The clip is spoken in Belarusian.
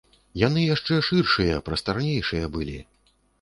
Яны яшчэ шыршыя, прастарнейшыя былі.